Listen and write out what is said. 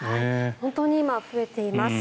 本当に今、増えています。